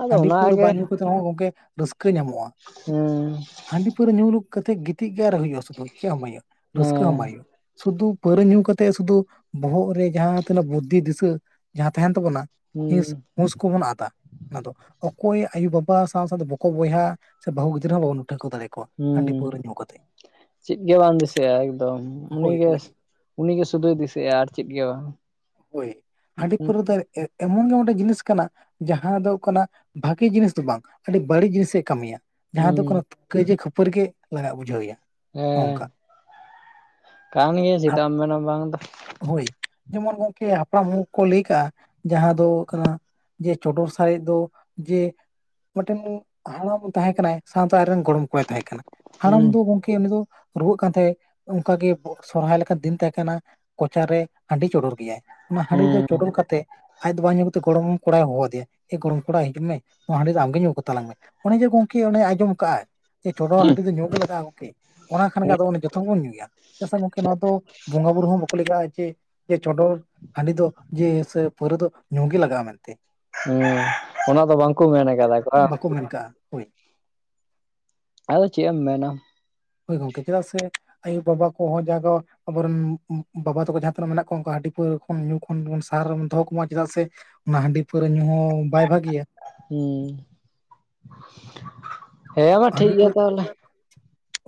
ᱟᱫᱚ ᱚᱱᱟᱜᱮᱼᱼ ᱟᱫᱚ ᱦᱟᱜ ᱜᱚᱝᱠᱮ ᱨᱟᱹᱥᱠᱟᱹ ᱧᱟᱢᱚᱜᱼᱟ᱾ ᱦᱩᱸ᱾ ᱦᱟᱺᱰᱤ ᱯᱟᱹᱣᱨᱟᱹ ᱧᱩ ᱵᱩᱞ ᱠᱟᱛᱮᱫ ᱜᱤᱛᱤᱡ ᱜᱮ ᱟᱨ ᱦᱩᱭᱩᱜᱼᱟ ᱥᱩᱫᱩ ᱪᱮᱫ ᱦᱚᱸ ᱵᱟᱝ ᱦᱩᱭᱩᱜᱼᱟ ᱨᱟᱹᱥᱠᱟᱹ ᱦᱮᱸ ᱦᱚᱸ ᱵᱟᱝ ᱦᱩᱭᱩᱜᱼᱟ᱾ ᱥᱩᱫᱩ ᱯᱟᱹᱣᱨᱟᱹ ᱧᱩ ᱠᱟᱛᱮᱜ ᱥᱩᱫᱩ ᱵᱚᱦᱚᱜ ᱨᱮ ᱡᱟᱦᱟᱸ ᱛᱤᱱᱟᱹᱜ ᱵᱩᱫᱫᱷᱤ ᱫᱤᱥᱟᱹ ᱡᱟᱦᱟᱸ ᱛᱟᱦᱮᱱ ᱛᱟᱵᱚᱱᱟᱼᱼ ᱦᱩᱸ ᱦᱤᱸᱥ ᱦᱩᱥ ᱠᱚᱵᱚᱱ ᱟᱫ-ᱟ᱾ ᱟᱫᱚ ᱚᱠᱚᱭ ᱟᱭᱳᱼᱵᱟᱵᱟ ᱥᱟᱶ ᱥᱟᱶᱛᱮ ᱵᱚ ᱵᱚᱭᱦᱟ ᱥᱮ ᱵᱟᱹᱦᱩ ᱜᱤᱫᱽᱨᱟᱹ ᱦᱚᱸ ᱵᱟᱵᱚᱱ ᱴᱷᱣᱠᱟᱹ ᱫᱟᱲᱮᱭᱟᱠᱚᱼᱟ᱾ ᱦᱩᱸ ᱪᱮᱫ ᱜᱮ ᱵᱟᱝ ᱫᱤᱥᱟᱹᱜᱼᱟ ᱮᱠᱫᱚᱢ ᱩᱱᱤ ᱦᱳᱭ ᱜᱮ᱾ ᱦᱳᱭ ᱩᱱᱤᱜᱮ ᱥᱩᱫᱷᱩ ᱫᱤᱥᱟᱹ ᱮᱭᱟᱭ ᱟᱨ ᱪᱮᱫ ᱜᱮ ᱵᱟᱝ᱾ ᱦᱳᱭ ᱦᱟᱺᱰᱤ ᱦᱩᱸ ᱯᱟᱹᱣᱨᱟᱹ ᱫᱚ ᱮᱢᱚᱱ ᱜᱮ ᱢᱤᱫᱴᱮᱡ ᱡᱤᱱᱤᱥ ᱠᱟᱱᱟᱼᱼ ᱡᱟᱦᱟᱸ ᱫᱚ ᱠᱟᱱᱟ ᱵᱷᱟᱹᱜᱤ ᱡᱤᱱᱤᱥ ᱫᱚ ᱵᱟᱝ ᱟᱹᱰᱤ ᱵᱟᱹᱲᱤᱡ ᱡᱤᱱᱤᱥᱮ ᱠᱟᱹᱢᱤᱭᱟ᱾ ᱡᱟᱦᱟ ᱫᱚ ᱦᱩᱸ ᱠᱚ ᱠᱟᱹᱭᱡᱟᱹ ᱠᱷᱟᱹᱯᱟᱹᱨᱤ ᱜᱮ ᱞᱟᱜᱟᱜ ᱵᱩᱡᱷᱟᱹᱣ ᱮᱭᱟ᱾ ᱦᱩᱸ᱾ ᱠᱟᱱ ᱜᱤᱭᱟᱧ ᱪᱮᱫᱟ ᱦᱟᱯ- ᱮᱢ ᱢᱮᱱᱟ ᱵᱟᱝ ᱫᱚ ᱦᱳᱭ ᱡᱮᱢᱚᱱ ᱜᱚᱝᱠᱮ ᱦᱟᱯᱲᱟᱢ ᱦᱚᱲ ᱠᱚ ᱠᱚ ᱞᱟᱹᱭ ᱠᱟᱜᱼᱟ ᱡᱟᱦᱟᱸ ᱫᱚ ᱦᱩᱭᱩᱜ ᱠᱟᱱᱟ ᱼᱼ ᱡᱮ, ᱪᱚᱰᱚᱨ ᱥᱟᱨᱮᱡ ᱫᱚ ᱡᱮ ᱢᱤᱫᱴᱮᱱ ᱦᱟᱲᱟᱢ ᱛᱟᱦᱮᱸ ᱠᱟᱱᱟᱭ ᱥᱟᱶᱛᱟ ᱟᱡᱨᱮ ᱨᱮᱱ ᱜᱚᱲᱚᱢ ᱠᱚᱲᱟᱭ ᱛᱟᱦᱮᱸ ᱠᱟᱱᱟ, ᱦᱩᱸ ᱦᱟᱲᱟᱢ ᱫᱚ ᱜᱚᱝ ᱠᱤ ᱩᱱᱤ ᱫᱚ ᱨᱩᱣᱟᱹᱜ ᱠᱟᱱ ᱛᱟᱦᱮᱸ ᱚᱱᱠᱟᱜᱮ [unintelligible] ᱥᱚᱨᱦᱟᱭ ᱞᱮᱠᱟᱱ ᱫᱤᱱ ᱛᱟᱦᱮᱸ ᱠᱟᱱᱟ᱾ ᱠᱚᱪᱟᱨ ᱨᱮ ᱦᱟᱹᱰᱤ ᱪᱚᱰᱚᱨ ᱜᱮᱭᱟᱭ, ᱚᱱᱟ ᱦᱟᱹᱰᱤ ᱫᱚ ᱦᱩᱸ ᱪᱚᱰᱚᱨ ᱠᱟᱛᱮ ᱟᱡ ᱫᱚ ᱵᱟᱭ ᱧᱩ ᱠᱟᱛᱮᱫ ᱜᱚᱲᱚᱢ ᱠᱚᱲᱟᱭ ᱦᱚᱦᱚ ᱟᱫᱮᱭᱟ, ᱮ ᱜᱚᱲᱚᱢ ᱠᱚᱲᱟ ᱦᱤᱡᱩ ᱢᱮ ᱱᱚᱣᱟ ᱦᱟᱸᱰᱤ ᱫᱚ ᱟᱢᱜᱮ ᱧᱩ ᱠᱟᱛᱟᱞᱟᱝ ᱢᱮ᱾ ᱚᱱᱮ ᱡᱮ ᱜᱚᱝᱠᱮ ᱚᱱᱮᱭ ᱟᱸᱡᱚᱢ ᱠᱟᱜ-ᱟᱭ᱾ ᱪᱚᱰᱚᱨ ᱦᱟᱹᱴᱤ ᱫᱚ ᱧᱩ ᱜᱮ ᱞᱟᱜᱟᱜ-ᱟ ᱜᱚᱝᱠᱮ, ᱚᱱᱟ ᱠᱷᱟᱱ ᱜᱮ ᱟᱫᱚ ᱡᱚᱛᱚ ᱵᱚᱱ ᱧᱩᱭᱟ, ᱪᱮᱫᱟᱜ ᱥᱮ ᱜᱚᱝᱠᱮ ᱱᱚᱣᱟ ᱫᱚ ᱵᱚᱸᱜᱟ ᱵᱩᱨᱩ ᱦᱚᱸ ᱵᱟᱠᱚ ᱞᱟᱹᱭ ᱠᱟᱜ-ᱟ, ᱡᱮ ᱡᱮ ᱪᱚᱰᱚᱨ ᱦᱟᱹᱰᱤ ᱫᱚ ᱡᱮ ᱥᱮ ᱯᱟᱹᱣᱨᱟᱹ ᱫᱚ ᱧᱩ ᱜᱮ ᱞᱟᱜᱟᱜ-ᱟ ᱢᱮᱱᱛᱮ᱾ [unintelligible] ᱚᱱᱟ ᱫᱚ ᱵᱟᱝᱠᱚ ᱢᱮᱱ ᱠᱟᱫᱟ ᱠᱚ [unintelligible] ᱦᱚᱭ᱾ ᱟᱫᱚ ᱪᱮᱜ ᱮᱢ ᱢᱮᱱᱟ᱾ ᱦᱳᱭ ᱜᱚᱝᱠᱮ, ᱪᱮᱫᱟᱜ ᱥᱮ ᱟᱭᱩᱼᱵᱟᱵᱟ ᱠᱚᱦᱚᱸ ᱡᱟᱠᱚ ᱟᱵᱚᱨᱮᱱ [unintelligible] ᱵᱟᱵᱟ ᱛᱟᱠᱚ ᱡᱟᱦᱟᱸ ᱛᱤᱱᱟᱹᱜ ᱢᱮᱱᱟᱜ ᱠᱚᱣᱟ ᱩᱱᱠᱩ ᱦᱟᱹᱰᱤ ᱯᱟᱹᱣᱨᱟᱹ ᱠᱷᱚᱱ ᱧᱩ ᱠᱷᱚᱱ ᱥᱟᱦᱟᱨ ᱨᱮᱵᱚᱱ ᱫᱚᱦᱚ ᱠᱚᱢᱟ ᱪᱮᱫᱟᱜ ᱥᱮ ᱚᱱᱟ ᱦᱟᱰᱤ ᱯᱟᱹᱣᱨᱟᱹ ᱧᱩ ᱦᱚᱸ ᱵᱟᱭ ᱵᱷᱟᱹᱜᱤᱭᱟ᱾ ᱦᱩᱸ, ᱦᱮᱸ ᱢᱟ ᱴᱷᱤᱠ ᱦᱟᱺᱰᱤ ᱜᱮᱭᱟ ᱛᱟᱦᱚᱞᱮ᱾ ᱯᱟᱹᱣᱨᱟᱹ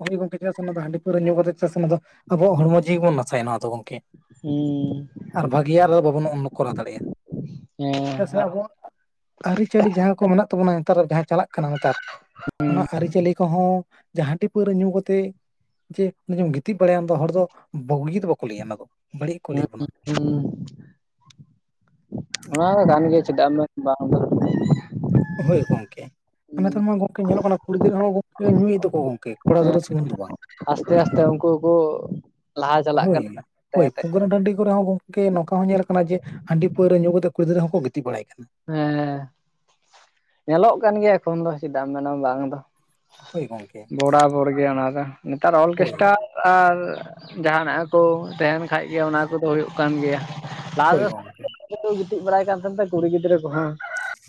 ᱦᱳᱭ ᱜᱚᱝᱠᱮ, ᱪᱮᱫᱟᱜ ᱥᱮ ᱚᱱᱟ ᱫᱚ ᱦᱟᱹᱰᱤ ᱯᱟᱹᱣᱨᱟᱹ ᱧᱩ ᱠᱟᱛᱮᱫ ᱪᱮᱫᱟᱜ ᱥᱮ ᱚᱱᱟ ᱟᱵᱚᱣᱟᱜ ᱦᱚᱲᱢᱚ ᱡᱤᱣᱤ ᱵᱚᱱ ᱱᱟᱥᱟᱭᱟ ᱱᱚᱣᱟ ᱫᱚ ᱜᱚᱝᱠᱮ᱾ ᱦᱩᱸ᱾ ᱟᱨ ᱵᱷᱟᱹᱜᱤᱭᱟ ᱨᱮ ᱫᱚ ᱵᱟᱵᱚᱱ [unintelligible] ᱠᱚᱨᱟᱣ ᱫᱟᱲᱮᱭᱟᱜ-ᱟ᱾ ᱦᱮᱸ, ᱟᱨ ᱚ ᱟᱹᱨᱤᱪᱟᱹᱞᱤ ᱡᱟᱦᱟᱸ ᱠᱚ ᱢᱮᱱᱟᱜ ᱛᱟᱵᱚᱱᱟ, ᱱᱮᱛᱟᱨ ᱡᱟᱦᱟᱸ ᱪᱟᱞᱟᱜ ᱠᱟᱱᱟ ᱱᱮᱛᱟᱨ [unintelligible] ᱚᱱᱟ ᱟᱨᱤᱪᱟᱞᱤ ᱠᱚᱦᱚᱸ ᱡᱟ ᱦᱟᱸᱰᱤ ᱯᱟᱹᱣᱨᱟᱹ ᱧᱩ ᱠᱟᱛᱮ ᱡᱮ ᱩᱱᱮ ᱡᱮᱢ ᱜᱤᱛᱤᱡ ᱵᱟᱲᱟᱭᱟᱢ ᱫᱚ ᱦᱚᱲ ᱫᱚ ᱵᱩᱜᱤ ᱫᱚ ᱵᱟᱠᱚ ᱞᱟᱹᱭᱟ ᱚᱱᱟ ᱫᱚ ᱵᱟᱹᱲᱤᱡ ᱠᱚ ᱞᱟᱹᱭ ᱵᱚᱱᱟ᱾ ᱦᱩᱸ, ᱚᱱᱟ ᱫᱚ ᱜᱟᱱ ᱜᱮᱭᱟ ᱪᱮᱫᱟᱜ ᱮᱢ ᱢᱮᱱᱟ ᱵᱟᱝ ᱫᱚ ᱾ ᱦᱳᱭ ᱜᱚᱝᱠᱮ᱾ ᱟᱨ ᱱᱮᱛᱟᱨ ᱢᱟ ᱜᱚᱝᱠᱮ ᱧᱮᱞᱚᱜ ᱠᱟᱱᱟ, ᱠᱩᱲᱤ ᱜᱤᱫᱽᱟᱹ ᱦᱚᱸ ᱜᱚᱝᱠᱮ ᱧᱩᱭᱮᱫ ᱫᱚᱠᱚ ᱜᱚᱝᱠᱮ ᱠᱚᱲᱟ ᱜᱤᱫᱽᱟᱹ ᱥᱩᱢᱩᱝ ᱫᱚ ᱵᱟᱝ᱾ ᱟᱥᱛᱮ ᱟᱥᱛᱮ ᱩᱱᱠᱩ ᱦᱚᱠᱚ ᱠᱚ ᱞᱟᱦᱟ ᱪᱟᱞᱟᱜ ᱦᱳᱭ ᱠᱟᱱᱟ ᱛᱟᱭ ᱦᱳᱭ, ᱛᱮ ᱯᱳᱜᱨᱟᱢ ᱴᱟᱱᱰᱤ ᱠᱚᱨᱮᱦᱚ ᱠᱚᱝ ᱠᱮ ᱱᱚᱝᱠᱟ ᱦᱚᱸ ᱧᱮᱞ ᱟᱠᱟᱱᱟ, ᱡᱮ ᱦᱟᱹᱰᱤ ᱯᱟᱹᱣᱨᱟᱹ ᱧᱩ ᱠᱟᱛᱮᱫ ᱠᱩᱲᱤ ᱜᱤᱫᱽᱨᱟᱹ ᱦᱚᱸᱠᱚ ᱜᱤᱛᱤᱡ ᱵᱟᱲᱟᱭ ᱠᱟᱱᱟ᱾ ᱦᱮᱸ, ᱧᱮᱞᱚᱜ ᱠᱟᱱ ᱜᱮᱭᱟ ᱮᱠᱷᱚᱱ ᱫᱚ ᱪᱮᱫᱟᱜ ᱮᱢ ᱢᱮᱱᱟ ᱵᱟᱝ ᱫᱚ᱾ ᱦᱳᱭ ᱜᱚᱝᱠᱮ ᱵᱚᱲᱟᱵᱚᱲ ᱜᱮᱭᱟ ᱚᱱᱟ ᱫᱚ ᱱᱮᱛᱟᱨ ᱦᱳᱭ ᱚᱞᱠᱮᱥᱴᱟᱞ ᱟᱨ ᱡᱟᱦᱟᱱᱟᱜ ᱠᱚ ᱛᱮᱦᱮᱱ ᱠᱷᱟᱡ ᱜᱮ ᱚᱱᱟ ᱠᱚᱫᱚ ᱦᱩᱭᱩᱜ ᱠᱟᱱ ᱜᱮᱭᱟ᱾ ᱦᱳᱭ ᱞᱟᱦᱟ ᱜᱚᱝᱠᱮ ᱛᱮᱫᱚ [unintelligible] ᱜᱤᱛᱤᱡ ᱵᱟᱲᱟᱭ ᱠᱟᱱ ᱛᱟᱦᱮ ᱛᱮ, ᱠᱩᱲᱤ ᱜᱤᱫᱽᱨᱟᱹ ᱠᱩᱦᱚ᱾